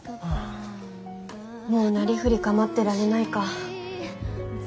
もうなりふり構ってられないか。